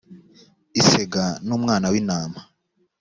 isega n umwana w intama